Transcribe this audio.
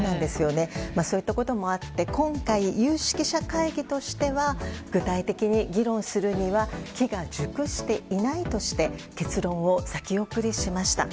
そういったこともあって今回、有識者会議としては具体的に議論するには機が熟していないとして結論を先送りしました。